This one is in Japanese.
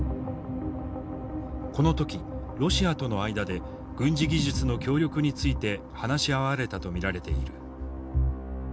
この時ロシアとの間で軍事技術の協力について話し合われたと見られている。